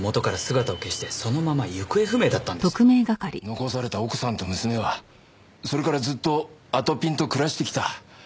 残された奥さんと娘はそれからずっとあとぴんと暮らしてきた。